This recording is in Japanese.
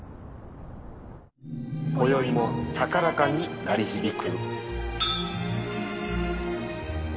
こよいも高らかに鳴り響く。